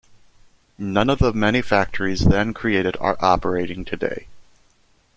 None of the many factories then created are operating today.